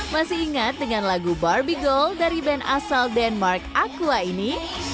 masih ingat dengan lagu barbie goal dari band asal denmark aqua ini